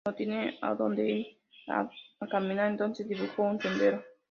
No tiene adónde ir a caminar, entonces dibujo un sendero.